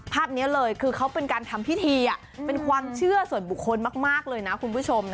ภาพนี้เลยคือเขาเป็นการทำพิธีเป็นความเชื่อส่วนบุคคลมากเลยนะคุณผู้ชมนะ